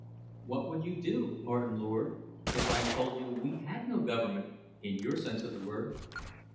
What would you do, Martin Lord, if I told you we had no government, in your sense of the word?"